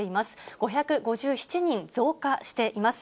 ５５７人増加しています。